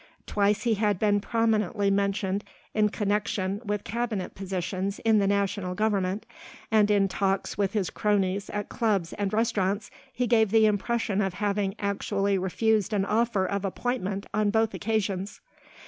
Twice he had been prominently mentioned in connection with cabinet positions in the national government, and in talks with his cronies at clubs and restaurants he gave the impression of having actually refused an offer of appointment on both occasions.